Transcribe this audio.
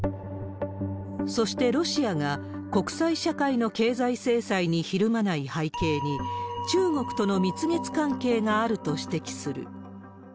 そして、ロシアが国際社会の経済制裁にひるまない背景に、中国との蜜月関係があると指摘する。